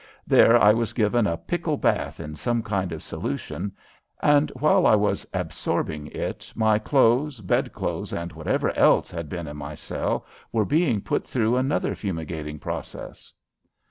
There I was given a pickle bath in some kind of solution, and while I was absorbing it my clothes, bedclothes, and whatever else had been in my cell were being put through another fumigating process.